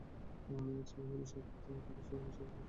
এরা সামান্য বিষাক্ত, তবে সেই বিষ মানুষের কোন ক্ষতি করে না।